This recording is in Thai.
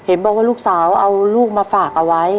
เห็นบอกว่าลูกสาวเอาลูกมาฝากเอาไว้